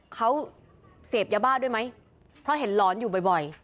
เขาเสพยาบ้าด้วยไหมเพราะเห็นหลอนอยู่บ่อย